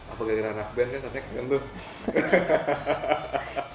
apakah giliran anak band kan